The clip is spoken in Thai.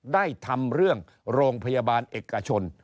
ได้ทำเรื่องโรงพยาบาลเอกชน